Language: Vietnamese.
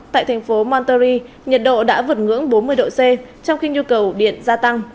tại thành phố mantory nhiệt độ đã vượt ngưỡng bốn mươi độ c trong khi nhu cầu điện gia tăng